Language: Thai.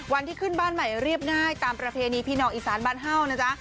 วันที่ขึ้นบ้านใหม่เรียบง่ายตามประเพณีพี่น้องอีสานบ้านเห่านะจ๊ะ